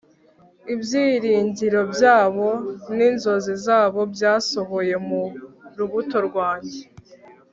ibyiringiro byabo n'inzozi zabo byasohoye mu rubuto rwanjye